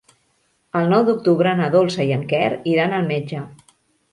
El nou d'octubre na Dolça i en Quer iran al metge.